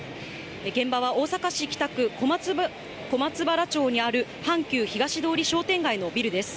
現場は大阪市北区こまつばら町にある、阪急東通商店街のビルです。